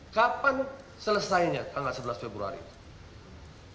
kapan selesainya tanggal sebelas februari